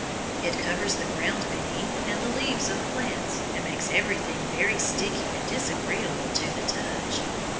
It covers the ground beneath and the leaves of plants, and makes everything very sticky and disagreeable to the touch.